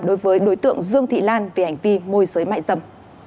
đối với đối tượng dương thị lan về hành vi môi giới mại dâm